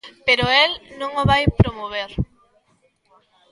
Pero el non o vai promover.